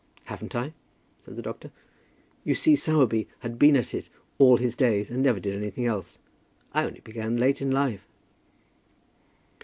"Haven't I?" said the doctor. "You see Sowerby had been at it all his days, and never did anything else. I only began late in life."